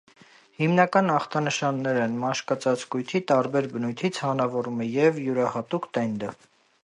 Հիմնական ախտանշաններն են մաշկածածկույթների տարբեր բնույթի ցանավորումը և յուրահատուկ տենդը։